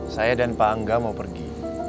saya dan pak angga mau pergi